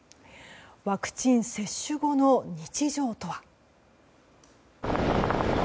ワクチン接種後の日常とは。